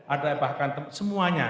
ada bahkan semuanya